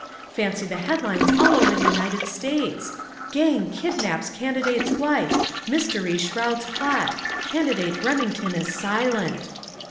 Fancy the headlines all over the United States: 'GANG KIDNAPS CANDIDATE'S WIFE MYSTERY SHROUDS PLOT CANDIDATE REMINGTON IS SILENT.'"